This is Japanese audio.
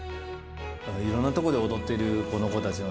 いろんな所で踊っているこの子たちの、